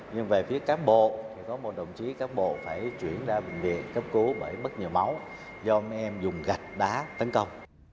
nhưng về phía cán bộ thì có một đồng chí cán bộ phải chuyển ra bệnh viện cấp cứu bởi bất nhiều máu do mấy em dùng gạch đá tấn công